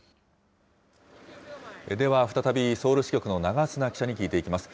では再びソウル支局の長砂記者に聞いていきます。